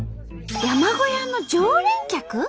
山小屋の常連客？